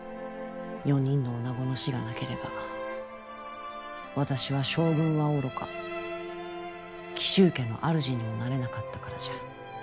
４人のおなごの死がなければ私は将軍はおろか紀州家の主にもなれなかったからじゃ。